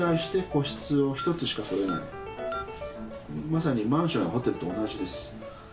まさにマンションやホテルと同じです。